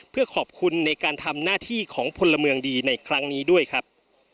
เพื่อขอบคุณในการทำหน้าที่ของพลเมืองดีในครั้งนี้ด้วยครับ